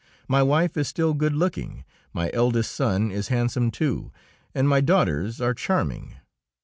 My wife is still good looking, my eldest son is handsome, too, and my daughters are charming.